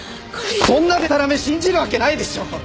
そんなでたらめ信じるわけないでしょ！